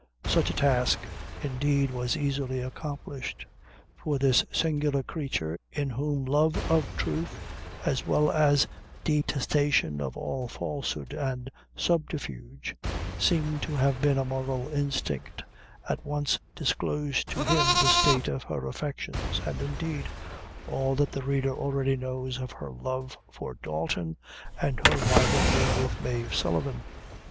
Such a task, indeed, was easily accomplished, for this singular creature, in whom love of truth, as well as a detestation of all falsehood and subterfuge, seemed to have been a moral instinct, at once disclosed to him the state of her affections, and, indeed, all that the reader already knows of her love for Dalton, and her rivalry with Mave Sullivan.